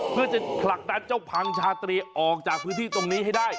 เพื่อจะผลักดันเจ้าพังชาตรีออกจากพื้นที่ตรงนี้ให้ได้